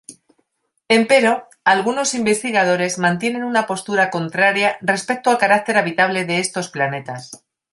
Empero, algunos investigadores mantienen una postura contraria respecto al carácter habitable de estos planetas.